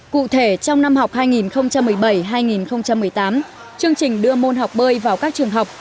cụ thể trong năm học hai nghìn một mươi bảy hai nghìn một mươi tám chương trình đưa môn học bơi vào các trường học